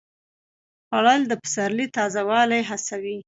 خوړل د پسرلي تازه والی حسوي